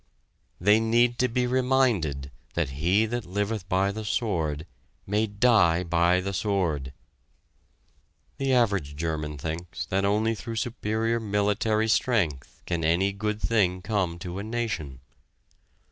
They need to be reminded that he that liveth by the sword may die by the sword! The average German thinks that only through superior military strength can any good thing come to a nation.